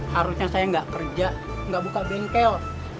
harusnya saya nggak kerja nggak buka bengkel